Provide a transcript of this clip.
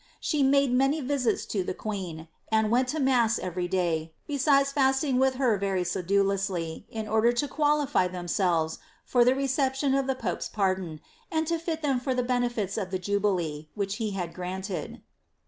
She made manj viaili lo the qneen, and went to mace eveiy day, bceides feating with Imt wMf aedulously, in order to qualify themselves, for the reception of tlM pc^'s pardon, and to fit them for the benefits of the jubilee, which he had granted.'